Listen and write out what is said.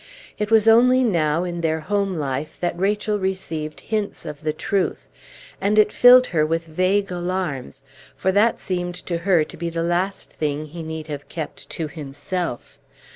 It was only now, in their home life, that Rachel received hints of the truth, and it filled her with vague alarms, for that seemed to her to be the last thing he need have kept to himself.